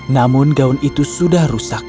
namun gaun itu sudah rusak